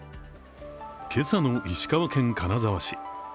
今朝の石川県金沢市。